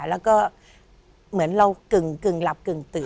แล้วก็เหมือนเรากึ่งหลับกึ่งตื่น